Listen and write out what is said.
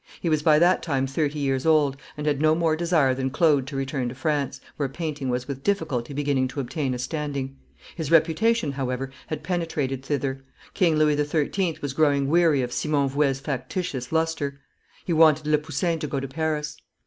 He was by that time thirty years old, and had no more desire than Claude to return to France, where painting was with difficulty beginning to obtain a standing. His reputation, however, had penetrated thither. King Louis XIII. was growing weary of Simon Vouet's factitious lustre; he wanted Le Poussin to go to Paris.